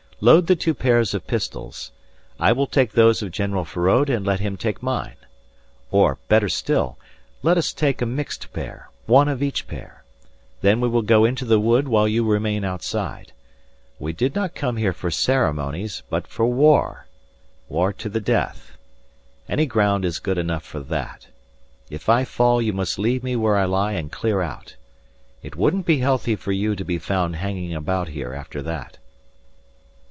Load the two pairs of pistols. I will take those of General Feraud and let him take mine. Or, better still, let us take a mixed pair. One of each pair. Then we will go into the wood while you remain outside. We did not come here for ceremonies, but for war. War to the death. Any ground is good enough for that. If I fall you must leave me where I lie and clear out. It wouldn't be healthy for you to be found hanging about here after that."